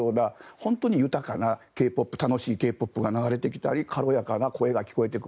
本当に豊かな楽しいＫ−ＰＯＰが流れてきたり軽やかな声が聞こえてくる。